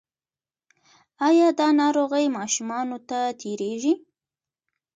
ایا دا ناروغي ماشومانو ته تیریږي؟